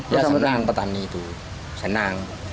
ya senang petani itu senang